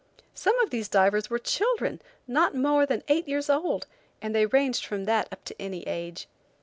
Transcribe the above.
Some of these divers were children not more than eight years old, and they ranged from that up to any age.